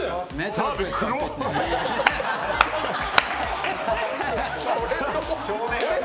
澤部、黒っ！